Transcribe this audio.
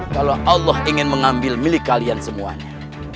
kalau allah ingin mengambil milik kalian semuanya